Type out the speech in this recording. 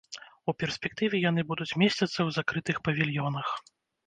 У перспектыве яны будуць месціцца ў закрытых павільёнах.